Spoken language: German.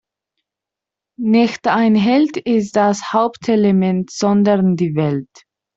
Nicht ein Held ist das Hauptelement, sondern die Welt.